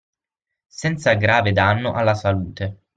Senza grave danno alla salute.